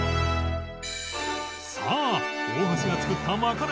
さあ大橋が作ったまかない２品